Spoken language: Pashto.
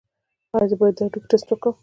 ایا زه باید د هډوکو ټسټ وکړم؟